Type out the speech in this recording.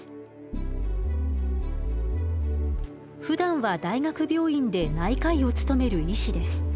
ふだんは大学病院で内科医をつとめる医師です。